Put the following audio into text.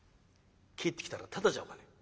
帰ってきたらただじゃおかねえ。